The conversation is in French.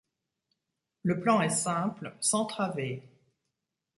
Le plan est simple, sans travée.